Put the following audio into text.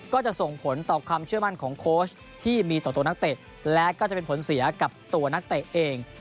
ก็จะส่งผลต่อความเชื่อมั่นของโค้ชที่มีต่อตัวนักเตะและก็จะเป็นผลเสียกับตัวนักเตะเอง